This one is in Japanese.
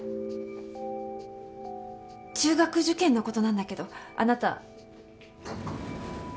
中学受験の事なんだけどあなた。